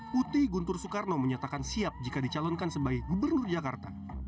putih guntur soekarno menyatakan siap jika dicalonkan sebagai gubernur jakarta